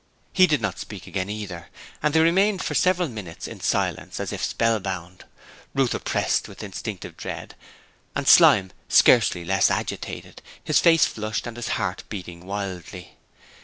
He did not speak again either, and they remained for several minutes in silence, as if spellbound, Ruth oppressed with instinctive dread, and Slyme scarcely less agitated, his face flushed and his heart beating wildly.